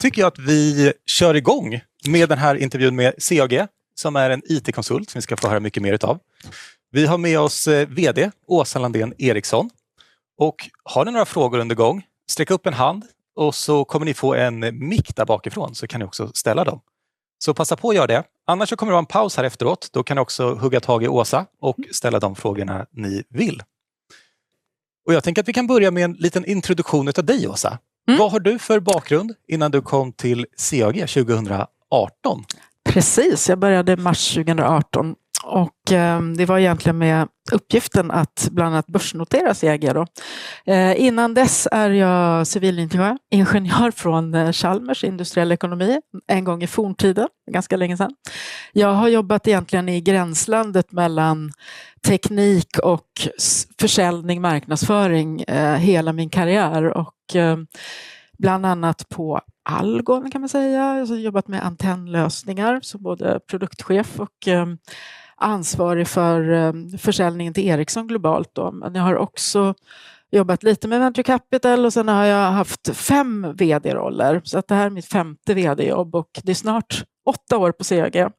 Tycker jag att vi kör igång med den här intervjun med CAG, som är en IT-konsult som vi ska få höra mycket mer av. Vi har med oss VD Åsa Landén Eriksson. Har ni några frågor under gång, sträck upp en hand, så kommer ni få en mikrofon där bakifrån, så kan ni också ställa dem. Passa på att göra det. Annars så kommer det vara en paus här efteråt, då kan ni också hugga tag i Åsa och ställa de frågorna ni vill. Jag tänker att vi kan börja med en liten introduktion av dig, Åsa. Vad har du för bakgrund innan du kom till CAG 2018? Precis, jag började i mars 2018, och det var egentligen med uppgiften att bland annat börsnotera CAG. Innan dess är jag civilingenjör från Chalmers industriell ekonomi, en gång i forntiden, ganska länge sedan. Jag har jobbat egentligen i gränslandet mellan teknik och försäljning, marknadsföring, hela min karriär, och bland annat på Algol, kan man säga. Jag har jobbat med antennlösningar, som både produktchef och ansvarig för försäljningen till Ericsson globalt. Men jag har också jobbat lite med Venture Capital, och sen har jag haft fem VD-roller, så att det här är mitt femte VD-jobb, och det är snart åtta år på CAG.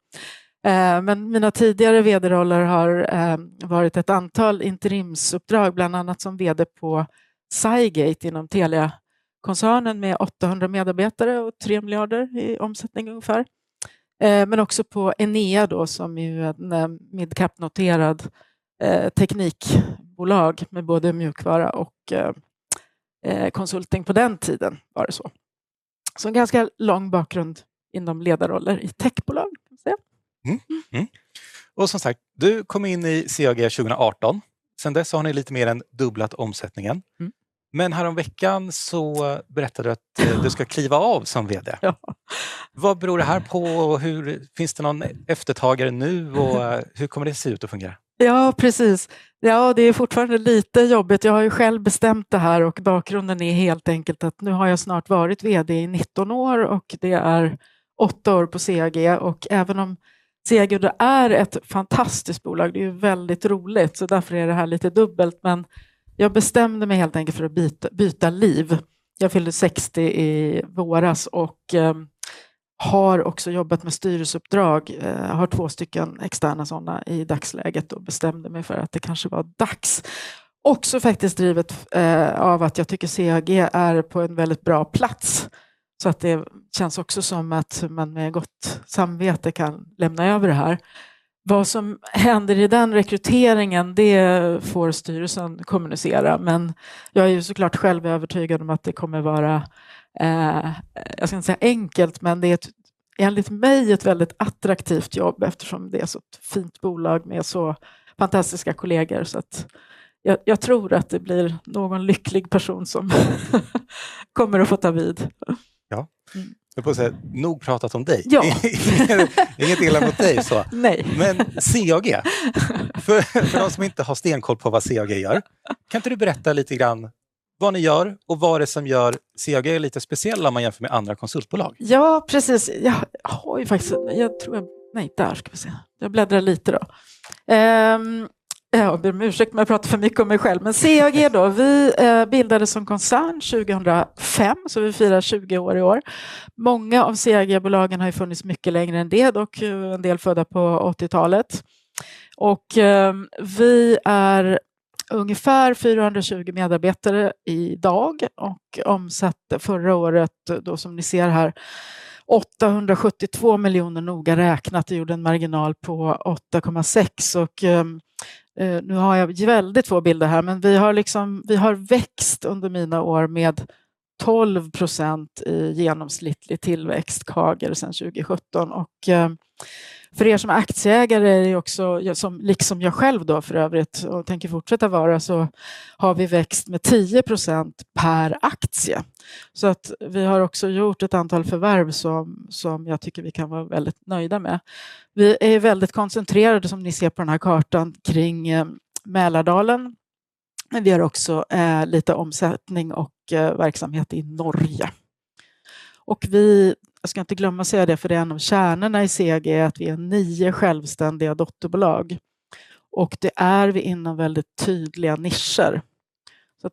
Men mina tidigare VD-roller har varit ett antal interimsuppdrag, bland annat som VD på Scigate inom Telia-koncernen med 800 medarbetare och 3 miljarder i omsättning ungefär. Men också på Enea, som ju är ett mid-cap noterat teknikbolag med både mjukvara och konsulting på den tiden, var det så. Så en ganska lång bakgrund inom ledarroller i techbolag, kan man säga. Och som sagt, du kom in i CAG 2018. Sedan dess har ni lite mer än dubblat omsättningen. Men härom veckan så berättade du att du ska kliva av som VD. Vad beror det här på, och hur finns det någon efterträdare nu, och hur kommer det se ut att fungera? Ja, precis. Ja, det är fortfarande lite jobbigt. Jag har ju själv bestämt det här, och bakgrunden är helt enkelt att nu har jag snart varit VD i 19 år, och det är åtta år på CAG. Även om CAG är ett fantastiskt bolag, det är ju väldigt roligt, så därför är det här lite dubbelt. Men jag bestämde mig helt enkelt för att byta liv. Jag fyllde 60 i våras och har också jobbat med styrelseuppdrag. Jag har två stycken externa sådana i dagsläget och bestämde mig för att det kanske var dags. Också faktiskt drivet av att jag tycker CAG är på en väldigt bra plats, så att det känns också som att man med gott samvete kan lämna över det här. Vad som händer i den rekryteringen, det får styrelsen kommunicera, men jag är ju såklart själv övertygad om att det kommer vara, jag ska inte säga enkelt, men det är enligt mig ett väldigt attraktivt jobb, eftersom det är så fint bolag med så fantastiska kollegor. Så att jag tror att det blir någon lycklig person som kommer att få ta vid. Ja, jag får säga att jag nog pratat om dig. Ja. Inget illa mot dig så. No. Men CAG, för de som inte har stenkoll på vad CAG gör, kan inte du berätta lite grann vad ni gör och vad det är som gör CAG lite speciellt om man jämför med andra konsultbolag? Ja, precis. Jag har ju faktiskt, jag tror jag, nej, där ska vi se. Jag bläddrar lite då. Jag ber om ursäkt om jag pratar för mycket om mig själv. Men CAG då, vi bildades som koncern 2005, så vi firar 20 år i år. Många av CAG-bolagen har ju funnits mycket längre än det, dock en del födda på 80-talet. Vi är ungefär 420 medarbetare idag och omsatte förra året, då som ni ser här, 872 miljoner noga räknat. Det gjorde en marginal på 8,6%. Nu har jag väldigt få bilder här, men vi har liksom, vi har växt under mina år med 12% i genomsnittlig tillväxt CAG sedan 2017. För som är aktieägare är det ju också, som liksom jag själv då för övrigt, och tänker fortsätta vara, så har vi växt med 10% per aktie. Så att vi har också gjort ett antal förvärv som jag tycker vi kan vara väldigt nöjda med. Vi är väldigt koncentrerade, som ni ser på den här kartan, kring Mälardalen. Men vi har också lite omsättning och verksamhet i Norge. Jag ska inte glömma att säga det, för det är en av kärnorna i CAG, att vi är nio självständiga dotterbolag. Det är vi inom väldigt tydliga nischer.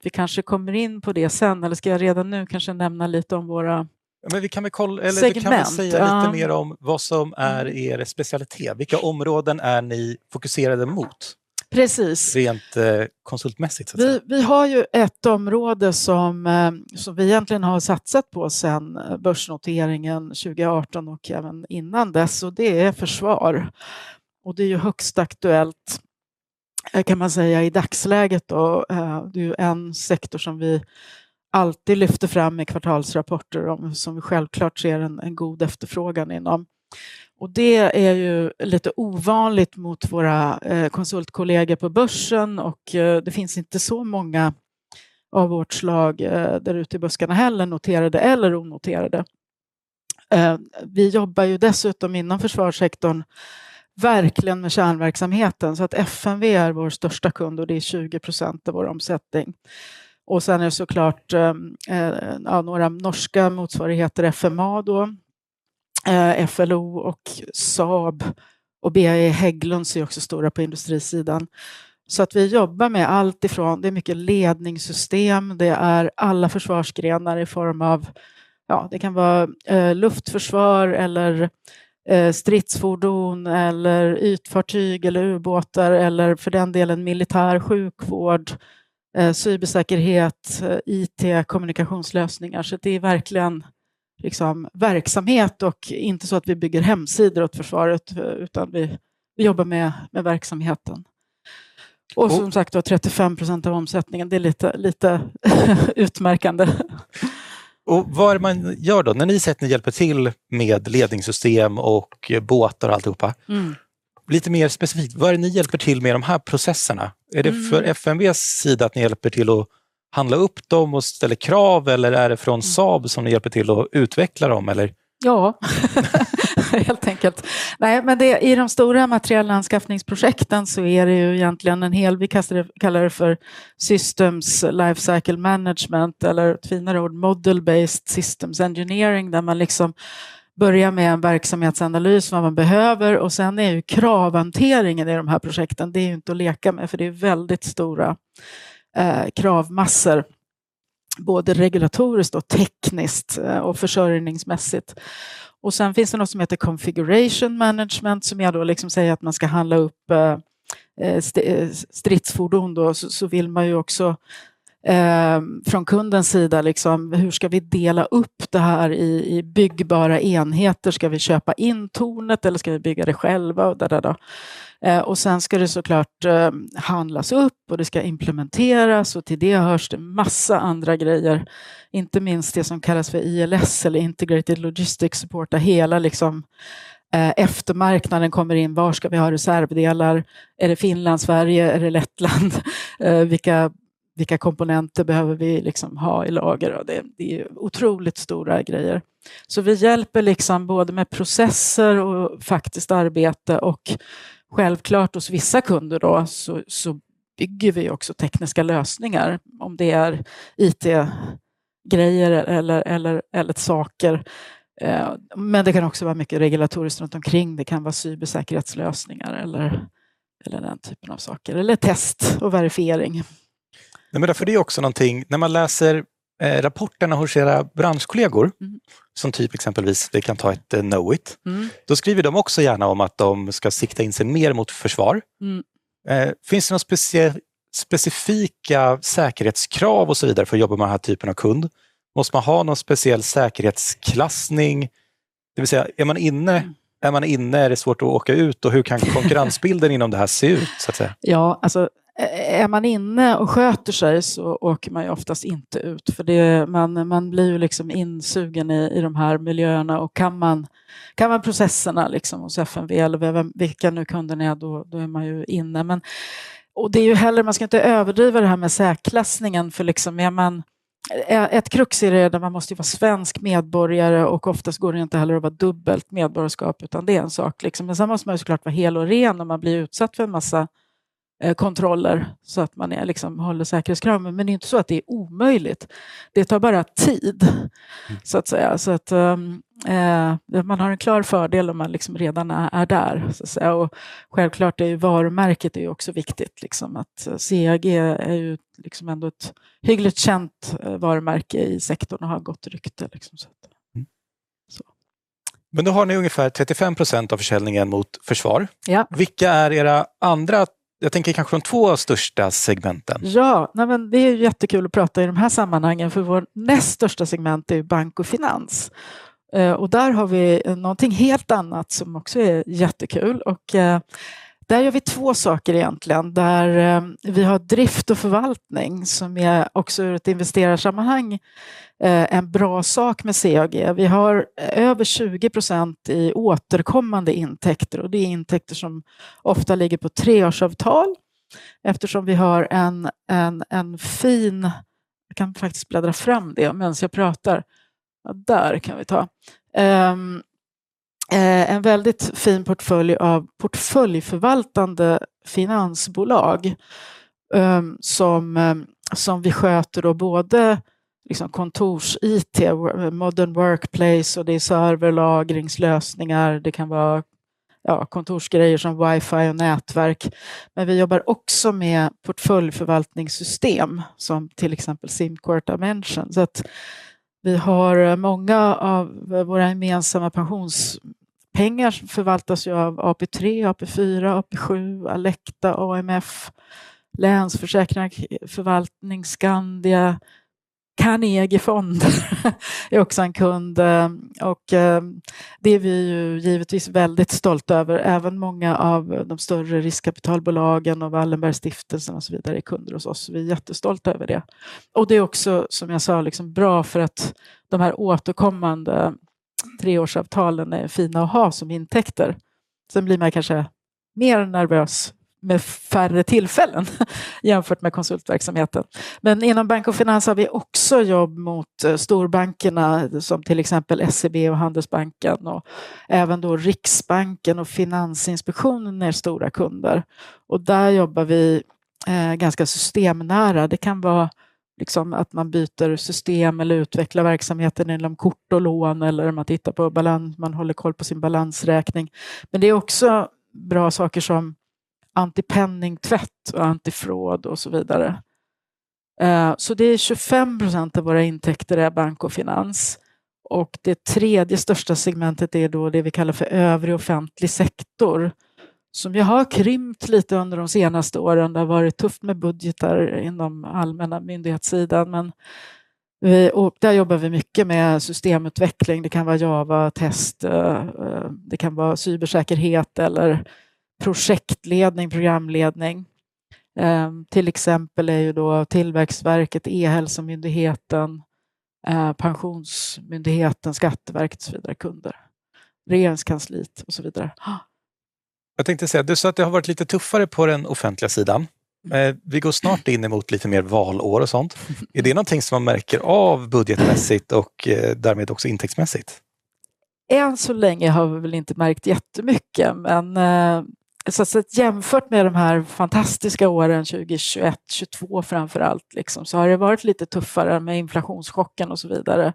Vi kanske kommer in på det sen, eller ska jag redan nu kanske nämna lite om våra segment? Vi kan väl kolla, eller vi kan väl säga lite mer om vad som är specialitet. Vilka områden är ni fokuserade mot? Precise. Rent konsultmässigt. Vi har ju ett område som vi egentligen har satsat på sedan börsnoteringen 2018 och även innan dess, och det är försvar. Det är ju högst aktuellt, kan man säga, i dagsläget. Det är ju en sektor som vi alltid lyfter fram i kvartalsrapporter om, som vi självklart ser en god efterfrågan inom. Det är ju lite ovanligt mot våra konsultkollegor på börsen, och det finns inte så många av vårt slag där ute i buskarna heller, noterade eller onoterade. Vi jobbar ju dessutom inom försvarssektorn verkligen med kärnverksamheten, så att FMV är vår största kund, och det är 20% av vår omsättning. Sen är det såklart några norska motsvarigheter, FMA då, FLO och Saab, och BAE Hägglunds är också stora på industrisidan. Så att vi jobbar med alltifrån, det är mycket ledningssystem, det är alla försvarsgrenar i form av, ja, det kan vara luftförsvar eller stridsfordon eller ytfartyg eller ubåtar, eller för den delen militär sjukvård, cybersäkerhet, IT, kommunikationslösningar. Det är verkligen liksom verksamhet, och inte så att vi bygger hemsidor åt försvaret, utan vi jobbar med verksamheten. Som sagt, då 35% av omsättningen, det är lite utmärkande. Och vad är det man gör då, när ni säger att ni hjälper till med ledningssystem och båtar och alltihopa? Lite mer specifikt, vad är det ni hjälper till med i de här processerna? Är det för FMVs sida att ni hjälper till att handla upp dem och ställer krav, eller är det från Saab som ni hjälper till att utveckla dem, eller? Ja, helt enkelt. Nej, men det är i de stora materiella anskaffningsprojekten så är det ju egentligen en hel, vi kallar det för systems life cycle management, eller ett finare ord, model-based systems engineering, där man liksom börjar med en verksamhetsanalys vad man behöver, och sen är ju kravhanteringen i de här projekten, det är ju inte att leka med, för det är väldigt stora kravmassor, både regulatoriskt och tekniskt och försörjningsmässigt. Och sen finns det något som heter configuration management, som jag då liksom säger att man ska handla upp stridsfordon, då så vill man ju också från kundens sida, liksom hur ska vi dela upp det här i byggbara enheter, ska vi köpa in tornet eller ska vi bygga det själva och så vidare. Och sen ska det såklart handlas upp och det ska implementeras, och till det hör det massa andra grejer, inte minst det som kallas för ILS eller integrated logistics support, där hela liksom eftermarknaden kommer in, var ska vi ha reservdelar, är det Finland, Sverige, är det Lettland, vilka komponenter behöver vi liksom ha i lager, och det är ju otroligt stora grejer. Så vi hjälper liksom både med processer och faktiskt arbete, och självklart hos vissa kunder då så bygger vi också tekniska lösningar, om det är IT-grejer eller saker, men det kan också vara mycket regulatoriskt runt omkring, det kan vara cybersäkerhetslösningar eller den typen av saker, eller test och verifiering. Nej, men därför är det ju också någonting, när man läser rapporterna hos era branschkollegor, som typ exempelvis, vi kan ta ett Knowit, då skriver de också gärna om att de ska sikta in sig mer mot försvar. Finns det några specifika säkerhetskrav och så vidare för att jobba med den här typen av kund? Måste man ha någon speciell säkerhetsklassning? Det vill säga, är man inne, är man inne, är det svårt att åka ut, och hur kan konkurrensbilden inom det här se ut, så att säga? Ja, alltså, är man inne och sköter sig så åker man ju oftast inte ut, för man blir ju liksom insugen i de här miljöerna, och kan man processerna liksom hos FMV, eller vilka nu kunderna är, då är man ju inne. Men det är ju heller inte, man ska inte överdriva det här med säkerhetsklassningen, för liksom är man ett krav i det så måste man ju vara svensk medborgare, och oftast går det inte heller att vara dubbelt medborgarskap, utan det är en sak liksom. Men sen måste man ju såklart vara hel och ren när man blir utsatt för en massa kontroller, så att man håller säkerhetskraven, men det är ju inte så att det är omöjligt. Det tar bara tid, så att säga, så att man har en klar fördel om man liksom redan är där, så att säga. Och självklart är ju varumärket också viktigt, liksom att CAG är ju liksom ändå ett hyggligt känt varumärke i sektorn och har gott rykte, så att. Men då har ni ungefär 35% av försäljningen mot försvar. Vilka är era andra, jag tänker kanske de två största segmenten? Ja, nej men det är ju jättekul att prata i de här sammanhangen, för vår näst största segment är ju bank och finans, och där har vi någonting helt annat som också är jättekul, och där gör vi två saker egentligen, där vi har drift och förvaltning som är också ur ett investerarsammanhang en bra sak med CAG. Vi har över 20% i återkommande intäkter, och det är intäkter som ofta ligger på treårsavtal, eftersom vi har en fin, jag kan faktiskt bläddra fram det medan jag pratar, ja där kan vi ta. En väldigt fin portfölj av portföljförvaltande finansbolag som vi sköter då både kontors-IT, modern workplace, och det är serverlagringslösningar, det kan vara ja kontorsgrejer som wifi och nätverk, men vi jobbar också med portföljförvaltningssystem som till exempel Simcord Dimension. Vi har många av våra gemensamma pensionspengar förvaltas av AP3, AP4, AP7, Alecta, AMF, Länsförsäkringar, Förvaltning, Skandia, Carnegie Fond är också en kund, och det är vi givetvis väldigt stolta över, även många av de större riskkapitalbolagen och Wallenbergsstiftelsen och så vidare är kunder hos oss, vi är jättestolta över det. Det är också, som jag sa, bra för att de här återkommande treårsavtalen är fina att ha som intäkter. Sen blir man kanske mer nervös med färre tillfällen jämfört med konsultverksamheten. Men inom bank och finans har vi också jobb mot storbankerna som till exempel SEB och Handelsbanken, och även då Riksbanken och Finansinspektionen är stora kunder, och där jobbar vi ganska systemnära. Det kan vara att man byter system eller utvecklar verksamheten inom kort och lån, eller om man tittar på balans, man håller koll på sin balansräkning. Men det är också bra saker som antipending tvätt och anti-fraud och så vidare. Så det är 25% av våra intäkter, det är bank och finans, och det tredje största segmentet är då det vi kallar för övrig offentlig sektor, som vi har krympt lite under de senaste åren. Det har varit tufft med budgetar inom allmänna myndighetssidan, men vi och där jobbar vi mycket med systemutveckling. Det kan vara Java-test, det kan vara cybersäkerhet eller projektledning, programledning. Till exempel är ju då Tillväxtverket, E-hälsomyndigheten, Pensionsmyndigheten, Skatteverket och så vidare kunder. Regeringskansliet och så vidare. Jag tänkte säga, det är så att det har varit lite tuffare på den offentliga sidan. Vi går snart in mot lite mer valår och sånt. Är det någonting som man märker av budgetmässigt och därmed också intäktsmässigt? Än så länge har vi väl inte märkt jättemycket, men jämfört med de här fantastiska åren 2021-22 framförallt, så har det varit lite tuffare med inflationschocken och så vidare.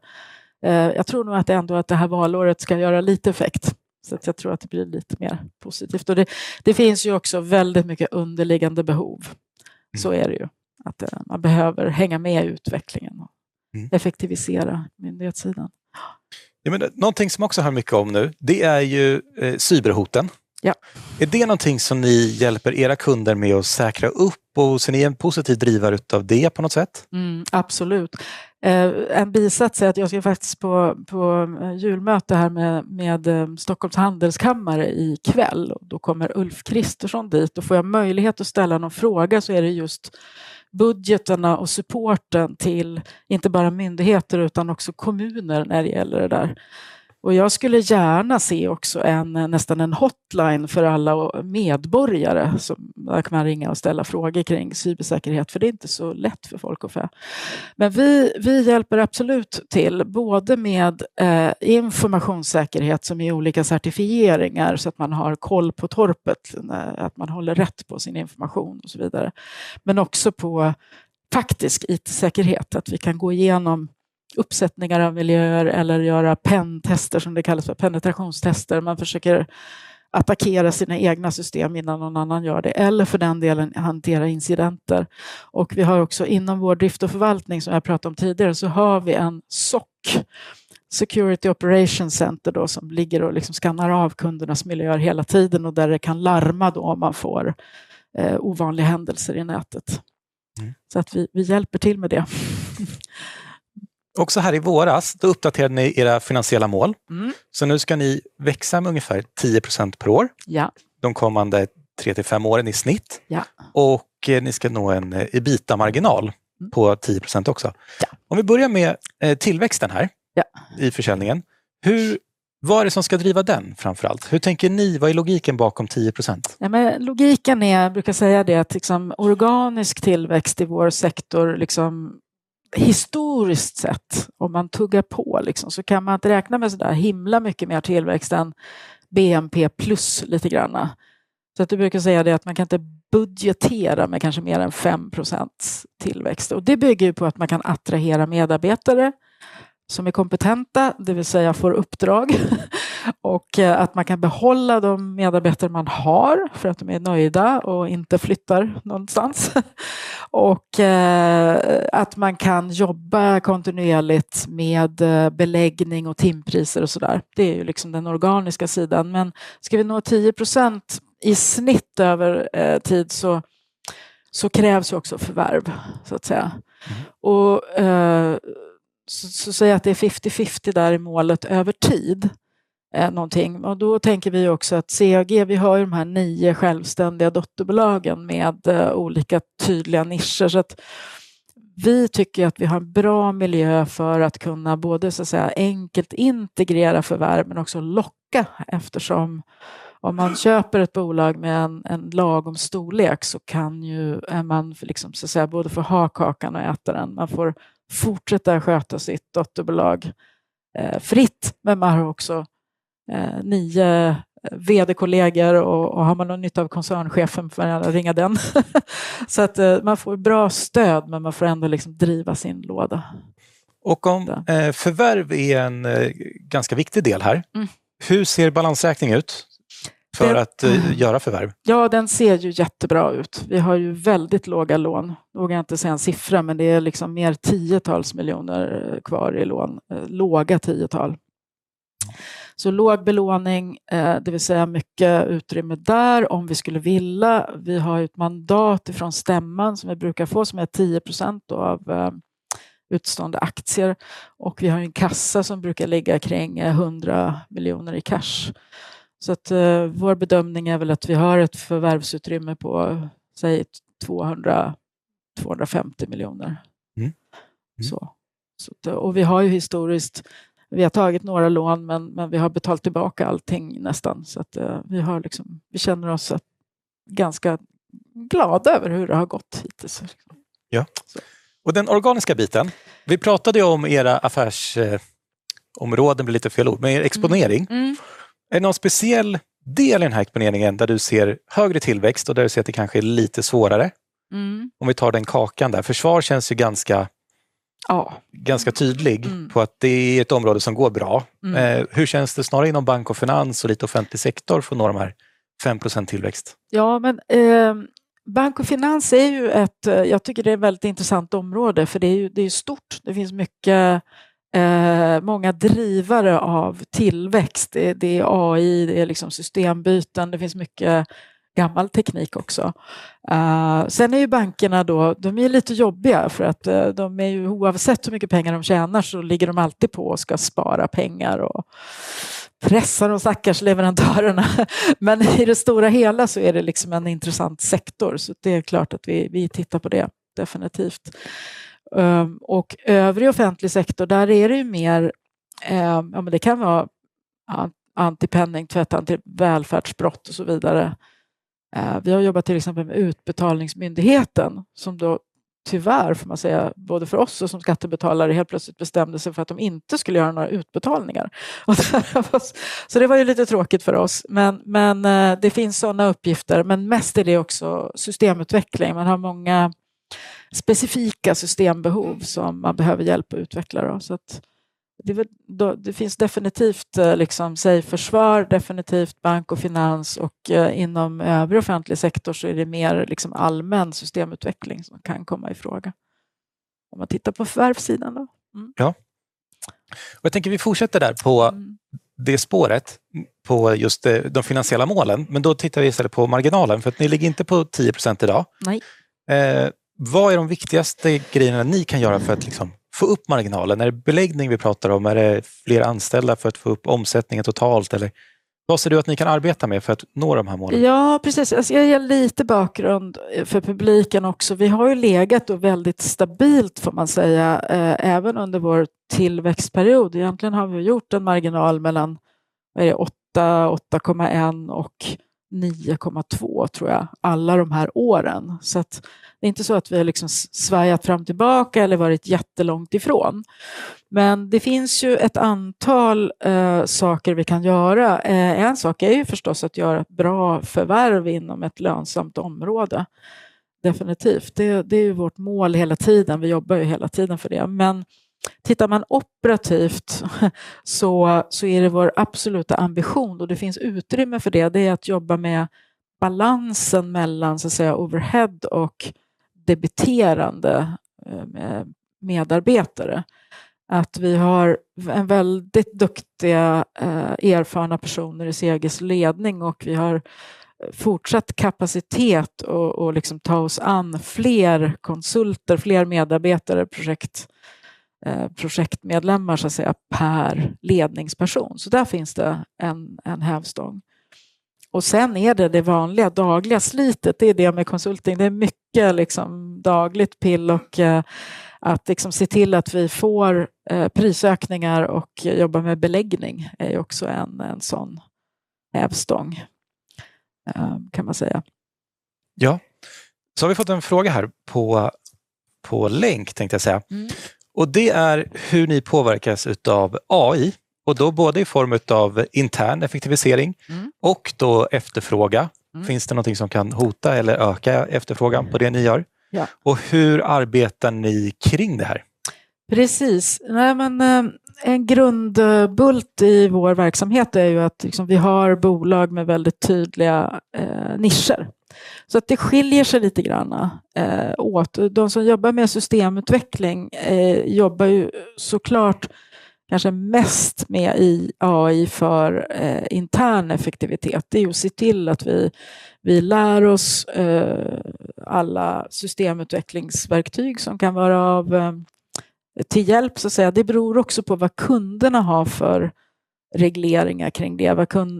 Jag tror nog att det här valåret ska göra lite effekt, så att jag tror att det blir lite mer positivt. Det finns ju också väldigt mycket underliggande behov, att man behöver hänga med i utvecklingen och effektivisera myndighetssidan. Ja, men någonting som också hörs mycket om nu, det är ju cyberhoten. Är det någonting som ni hjälper era kunder med att säkra upp, och ser ni en positiv drivare av det på något sätt? Absolut. En bisats är att jag ska faktiskt på julmöte här med Stockholms handelskammare ikväll, och då kommer Ulf Kristersson dit, och får jag möjlighet att ställa någon fråga så är det just budgetarna och supporten till inte bara myndigheter utan också kommuner när det gäller det där. Jag skulle gärna se också en nästan en hotline för alla medborgare som man kan ringa och ställa frågor kring cybersäkerhet, för det är inte så lätt för folk att få. Men vi hjälper absolut till både med informationssäkerhet som är olika certifieringar så att man har koll på torpet, att man håller rätt på sin information och så vidare. Men också på taktisk IT-säkerhet, att vi kan gå igenom uppsättningar av miljöer eller göra pentester som det kallas för, penetrationstester. Man försöker attackera sina egna system innan någon annan gör det, eller för den delen hantera incidenter. Vi har också inom vår drift och förvaltning som jag pratade om tidigare, så har vi en SOC, Security Operation Center, då som ligger och skannar av kundernas miljöer hela tiden, och där det kan larma då om man får ovanliga händelser i nätet, så att vi hjälper till med det. Och så här i våras, då uppdaterade ni era finansiella mål. Så nu ska ni växa med ungefär 10% per år, ja de kommande tre till fem åren i snitt. Ja och ni ska nå en EBITA-marginal på 10% också. Om vi börjar med tillväxten här, ja i försäljningen, hur vad är det som ska driva den framförallt? Hur tänker ni, vad är logiken bakom 10%? Nej men logiken är, jag brukar säga det, att liksom organisk tillväxt i vår sektor, liksom historiskt sett, om man tuggar på liksom, så kan man inte räkna med sådär himla mycket mer tillväxt än BNP plus lite granna. Så att du brukar säga det, att man kan inte budgetera med kanske mer än 5% tillväxt. Och det bygger ju på att man kan attrahera medarbetare som är kompetenta, det vill säga får uppdrag, och att man kan behålla de medarbetare man har för att de är nöjda och inte flyttar någonstans. Och att man kan jobba kontinuerligt med beläggning och timpriser och så där, det är ju den organiska sidan. Men ska vi nå 10% i snitt över tid så krävs ju också förvärv, så att säga. Och så säga att det är 50-50 där i målet över tid, någonting, och då tänker vi ju också att CAG, vi har ju de här nio självständiga dotterbolagen med olika tydliga nischer, så att vi tycker ju att vi har en bra miljö för att kunna både så att säga enkelt integrera förvärv, men också locka, eftersom om man köper ett bolag med en lagom storlek så kan ju man liksom så att säga både få ha kakan och äta den. Man får fortsätta sköta sitt dotterbolag fritt, men man har också nio VD-kollegor och har man någon nytta av koncernchefen får man gärna ringa den. Så att man får bra stöd, men man får ändå liksom driva sin låda. Och om förvärv är en ganska viktig del här, hur ser balansräkningen ut för att göra förvärv? Ja, den ser ju jättebra ut. Vi har ju väldigt låga lån, vågar jag inte säga en siffra, men det är liksom mer tiotals miljoner kvar i lån, låga tiotal. Så låg belåning, det vill säga mycket utrymme där om vi skulle vilja. Vi har ju ett mandat ifrån stämman som vi brukar få, som är 10% av utstående aktier, och vi har ju en kassa som brukar ligga kring 100 miljoner i cash. Så att vår bedömning är väl att vi har ett förvärvsutrymme på säg 200-250 miljoner. Vi har ju historiskt, vi har tagit några lån, men vi har betalat tillbaka allting nästan, så att vi har liksom, vi känner oss ganska glada över hur det har gått hittills. Ja, så den organiska biten, vi pratade ju om era affärsområden, blir lite fel ord, men exponering. Är det någon speciell del i den här exponeringen där du ser högre tillväxt och där du ser att det kanske är lite svårare? Om vi tar den kakan där, försvar känns ju ganska ja ganska tydlig på att det är ett område som går bra. Hur känns det snarare inom bank och finans och lite offentlig sektor för att nå de här 5% tillväxt? Ja men bank och finans är ju ett, jag tycker det är ett väldigt intressant område, för det är ju stort, det finns mycket många drivare av tillväxt, det är AI, det är systembyten, det finns mycket gammal teknik också. Sen är ju bankerna då, de är ju lite jobbiga, för att de är ju oavsett hur mycket pengar de tjänar så ligger de alltid på och ska spara pengar och pressa de stackars leverantörerna. Men i det stora hela så är det en intressant sektor, så att det är klart att vi tittar på det definitivt. Och övrig offentlig sektor, där är det ju mer, ja men det kan vara antipending, tvättande, välfärdsbrott och så vidare. Vi har jobbat till exempel med Utbetalningsmyndigheten som då tyvärr får man säga, både för oss och som skattebetalare, helt plötsligt bestämde sig för att de inte skulle göra några utbetalningar. Det var ju lite tråkigt för oss, men det finns sådana uppgifter, men mest är det också systemutveckling. Man har många specifika systembehov som man behöver hjälp att utveckla då, så det finns definitivt försvar, definitivt bank och finans och inom övrig offentlig sektor så är det mer allmän systemutveckling som kan komma i fråga. Om man tittar på förvärvssidan då. Ja, och jag tänker vi fortsätter där på det spåret, på just de finansiella målen, men då tittar vi istället på marginalen, för att ni ligger inte på 10% idag. Nej, vad är de viktigaste grejerna ni kan göra för att liksom få upp marginalen? Är det beläggning vi pratar om, är det fler anställda för att få upp omsättningen totalt, eller vad ser du att ni kan arbeta med för att nå de här målen? Ja precis, alltså jag ger lite bakgrund för publiken också. Vi har ju legat då väldigt stabilt får man säga, även under vår tillväxtperiod. Egentligen har vi ju gjort en marginal mellan vad är det 8,1% och 9,2% tror jag, alla de här åren, så att det är inte så att vi har liksom svajat fram och tillbaka eller varit jättelångt ifrån. Men det finns ju ett antal saker vi kan göra. En sak är ju förstås att göra ett bra förvärv inom ett lönsamt område, definitivt. Det är ju vårt mål hela tiden, vi jobbar ju hela tiden för det. Men tittar man operativt så är det vår absoluta ambition, och det finns utrymme för det, det är att jobba med balansen mellan så att säga overhead och debiterande medarbetare. Att vi har väldigt duktiga erfarna personer i CAGs ledning och vi har fortsatt kapacitet att ta oss an fler konsulter, fler medarbetare, projektmedlemmar så att säga per ledningsperson, så där finns det en hävstång. Och sen är det det vanliga dagliga slitet, det är det med konsulting, det är mycket liksom dagligt pill och att liksom se till att vi får prisökningar och jobba med beläggning är ju också en hävstång kan man säga. Ja, så har vi fått en fråga här på länk tänkte jag säga, och det är hur ni påverkas av AI, och då både i form av intern effektivisering och efterfrågan. Finns det någonting som kan hota eller öka efterfrågan på det ni gör? Och hur arbetar ni kring det här? Precis, nej men en grundbult i vår verksamhet är ju att vi har bolag med väldigt tydliga nischer, så att det skiljer sig lite grann åt. De som jobbar med systemutveckling jobbar ju såklart kanske mest med AI för intern effektivitet, det är ju att se till att vi lär oss alla systemutvecklingsverktyg som kan vara av till hjälp så att säga. Det beror också på vad kunderna har för regleringar kring det,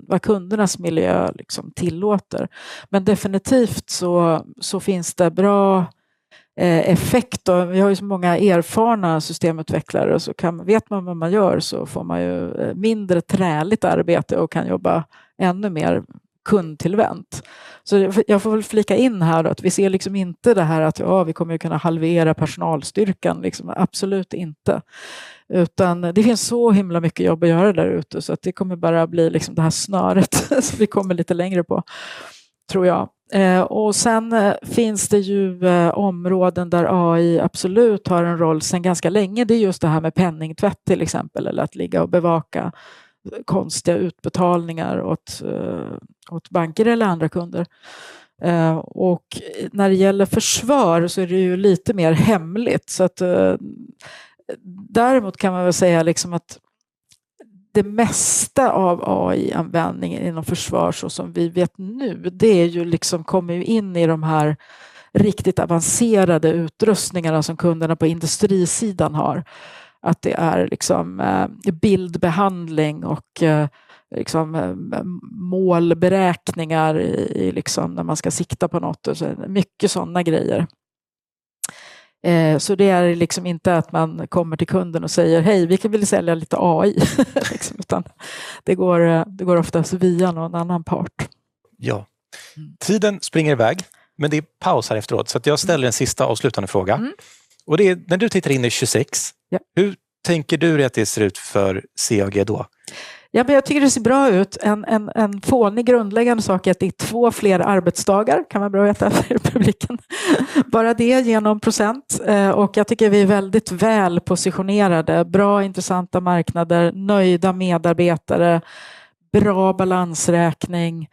vad kundernas miljö tillåter, men definitivt så finns det bra effekt, och vi har ju så många erfarna systemutvecklare, och så kan vet man vad man gör så får man ju mindre tråkigt arbete och kan jobba ännu mer kundtillvänt. Så jag får väl flika in här då att vi ser inte det här att ja vi kommer ju kunna halvera personalstyrkan, absolut inte, utan det finns så himla mycket jobb att göra där ute, så att det kommer bara bli det här snöret som vi kommer lite längre på, tror jag. Och sen finns det ju områden där AI absolut har en roll sen ganska länge, det är just det här med penningtvätt till exempel, eller att ligga och bevaka konstiga utbetalningar åt banker eller andra kunder. Och när det gäller försvar så är det ju lite mer hemligt, så att däremot kan man väl säga att det mesta av AI-användningen inom försvar så som vi vet nu, det kommer ju in i de här riktigt avancerade utrustningarna som kunderna på industrisidan har, att det är bildbehandling och målberäkningar när man ska sikta på något, och så är det mycket sådana grejer. Så det är inte att man kommer till kunden och säger hej vi kan vilja sälja lite AI, utan det går oftast via någon annan part. Ja, tiden springer iväg, men det är paus här efteråt, så att jag ställer en sista avslutande fråga, och det är när du tittar in i 2026, hur tänker du dig att det ser ut för CAG då? Ja men jag tycker det ser bra ut, en fånig grundläggande sak är att det är två fler arbetsdagar, kan vara bra att veta för publiken, bara det är genom %, och jag tycker vi är väldigt väl positionerade, bra intressanta marknader, nöjda medarbetare, bra balansräkning,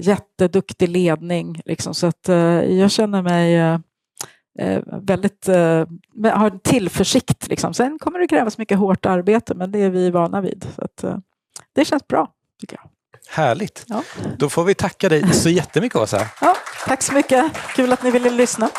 jätteduktig ledning, så att jag känner mig väldigt har tillförsikt, sen kommer det krävas mycket hårt arbete, men det är vi vana vid, så att det känns bra tycker jag. Härligt, då får vi tacka dig så jättemycket Åsa. Ja tack så mycket, kul att ni ville lyssna.